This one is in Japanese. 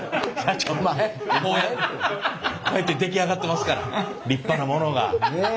こうやって出来上がってますから立派なものが。